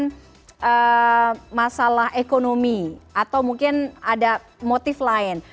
jadi kalau ada masalah ekonomi atau mungkin ada motif lain